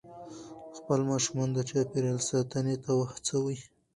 خپل ماشومان د چاپېریال ساتنې ته وهڅوئ.